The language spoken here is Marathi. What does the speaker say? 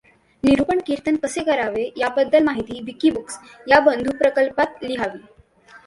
निरूपण कीर्तन कसे करावे याबद्दल माहिती विकिबुक्स या बंधुप्रकल्पात लिहावी.